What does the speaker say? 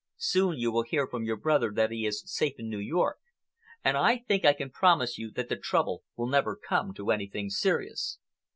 Soon you will hear from your brother that he is safe in New York, and I think I can promise you that the trouble will never come to anything serious."